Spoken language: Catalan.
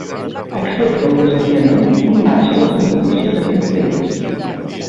Accepta el desafiament i marxa a la competició d'aquest país.